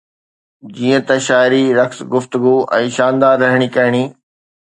جيئن ته شاعري، رقص، گفتگو ۽ شاندار رهڻي ڪهڻي